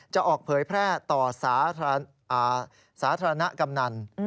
จะออกเผยแพร่ต่อสาธารณะกำนัน